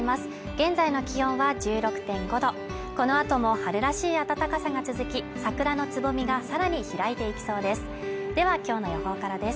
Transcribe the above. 現在の気温は１６．５度この後も春らしい暖かさが続き、桜のつぼみがさらに開いていきそうですでは今日の予報からです。